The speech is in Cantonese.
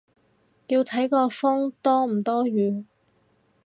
要睇個風多唔多雨